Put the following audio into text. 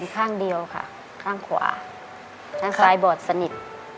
ข้างเดียวค่ะข้างขวาข้างซ้ายบอดสนิท